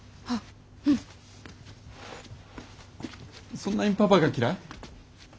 そんなにパパが嫌い？